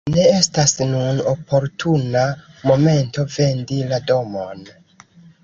Ne estas nun oportuna momento vendi la domon.